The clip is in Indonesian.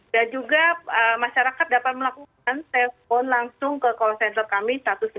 dan juga masyarakat dapat melakukan telpon langsung ke call center kami satu ratus sembilan puluh enam